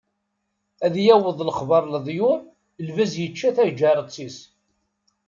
Ad yaweḍ lexbar leḍyur lbaz yečča taǧaret-is.